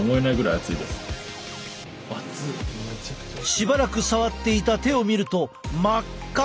しばらく触っていた手を見ると真っ赤。